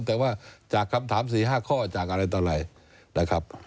แต่ว่าจากคำถาม๔๕ข้อจากอะไรต่อไรนะครับ